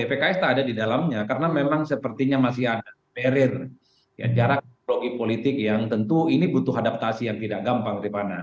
pks tak ada di dalamnya karena memang sepertinya masih ada barrier jarak logi politik yang tentu ini butuh adaptasi yang tidak gampang rifana